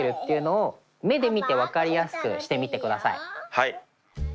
はい。